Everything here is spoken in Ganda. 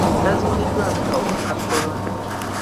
Tazuuliddwamu kawuka ka Kolona.